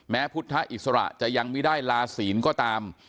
พุทธอิสระจะยังไม่ได้ลาศีลก็ตาม